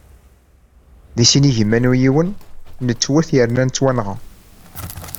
Di sin igiman u yiwen nettwet yerna nettwanɣa.